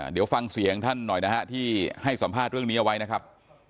เดี๋ยวฟังเสียงท่านหน่อยนะฮะที่ให้สัมภาษณ์เรื่องนี้เอาไว้นะครับ